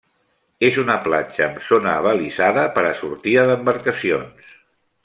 És una platja amb zona abalisada per a sortida d'embarcacions.